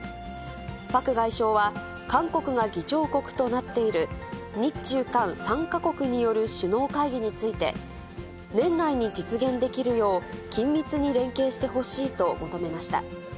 パク外相は、韓国が議長国となっている日中韓３か国による首脳会議について、年内に実現できるよう、緊密に連携してほしいと求めました。